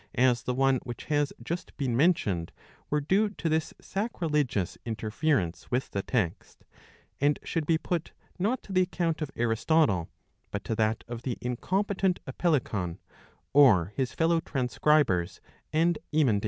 is the one which has f^ I just been mentioned were due to this B acrilegiou s interference with the I text, and should be put not to the account of Aristotle, but to that of the incompetent Apellicon, or his fellow transcribers and emendators.